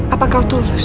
apakah kau tulus